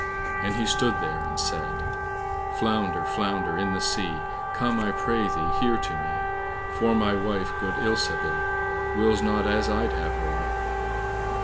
And he stood there and said— "Flounder, flounder in the sea, Come, I pray thee, here to me; For my wife, good Ilsabil, Wills not as I'd have her will."